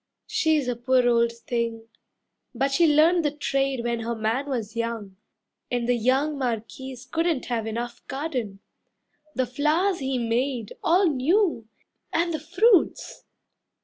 She's a poor old thing, but she learnt the trade When her man was young, and the young Marquis Couldn't have enough garden. The flowers he made All new! And the fruits!